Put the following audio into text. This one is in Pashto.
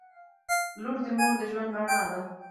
• لور د مور د ژوند رڼا ده.